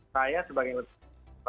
saya sebagai orang tersebut